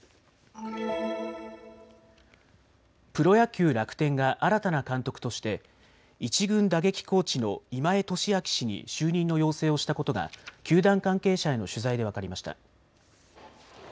プロ野球・楽天が新たな監督として１軍打撃コーチの今江敏晃氏に就任の要請をしたことが球団関係者への取材で分かりました。